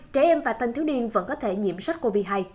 hai trẻ em và thành thiếu niên vẫn có thể nhiễm sắc covid hai